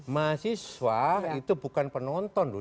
mahasiswa itu bukan penonton loh